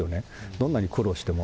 どんなに苦労しても。